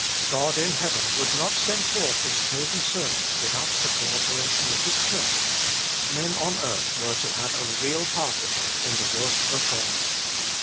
God in heaven would not send forth His chosen ser vants without the co operation of His Church ; men on earth were to have a real partnership in the work of God.